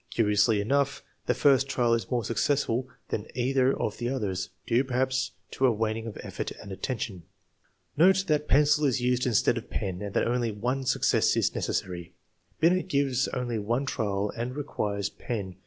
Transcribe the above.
Curiously enough, the first trial is more successful than either of the others, due perhaps to a waning of effort and attention. Note that pencil is used instead of pen and that only one success is necessary. Binet gives only one trial and requires pen.